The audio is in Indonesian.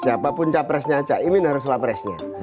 siapa pun capresnya aja ini harus capresnya